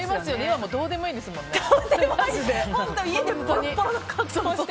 今どうでもいいですもんねマジで。